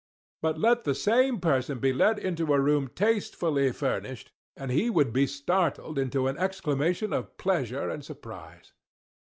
But let the same person be led into a room tastefully furnished, and he would be startled into an exclamation of pleasure and surprise.